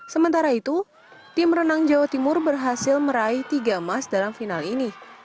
sementara itu tim renang jawa timur berhasil meraih tiga emas dalam final ini